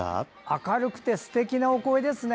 明るくてすてきなお声ですね。